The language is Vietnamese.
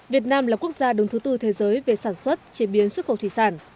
việt nam là quốc gia đứng thứ tư thế giới về sản xuất chế biến xuất khẩu thủy sản